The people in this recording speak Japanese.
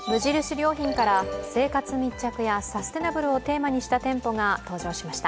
良品から生活密着やサステイナブルをテーマにした店舗が登場しました。